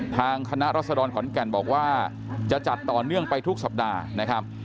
ทางคณะรัศดรขอนแก่นบอกว่าจะจัดต่อเนื่องไปทุกสัปดาห์นะครับ